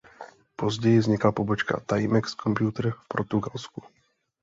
Později vznikla pobočka Timex Computer v Portugalsku.